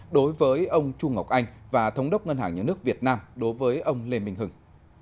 đối với ông trung ngọc anh và thống đốc ngân hàng nhà nước việt nam đối với ông lê minh hưng